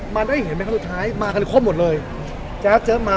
มันได้เห็นไหมครั้งสุดท้ายมากันครบหมดเลยแจ๋วเจอมา